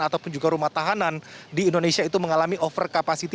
ataupun juga rumah tahanan di indonesia itu mengalami over capacity